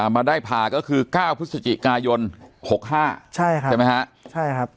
มาได้ผ่าก็คือ๙พฤศจิกายน๖๕ใช่ไหมฮะใช่ครับ